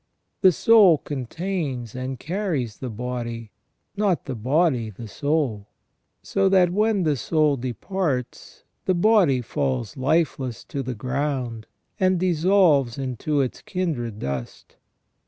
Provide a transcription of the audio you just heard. The soul contains and carries the body, not the body the soul; so that when the soul departs, the body falls lifeless to the ground, and dissolves into its kindred dust.